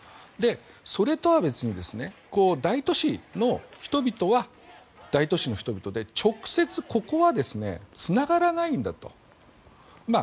それとは別に、大都市の人々は大都市の人々で直接ここはつながらないんだと。